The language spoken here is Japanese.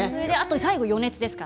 最後は余熱です。